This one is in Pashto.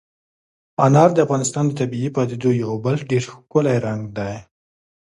انار د افغانستان د طبیعي پدیدو یو بل ډېر ښکلی رنګ دی.